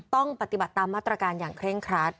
ต้องปฏิบัติตามมาตรการอย่างเคร่งครัด